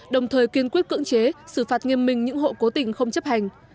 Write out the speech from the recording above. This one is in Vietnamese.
đồng thời kiên quyết cưỡng chế xử phạt nghiêm minh những hộ cố tình không chấp hành